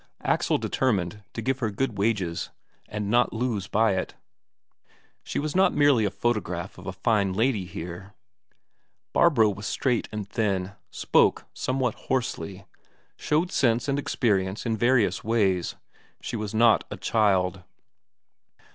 Axel determined to give her good wages, and not lose by it. She was not merely a photograph of a fine lady here. Barbro was straight and thin, spoke somewhat hoarsely, showed sense and experience in various ways she was not a child.